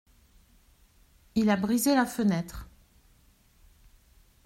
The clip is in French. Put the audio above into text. Il a brisé la fenêtre.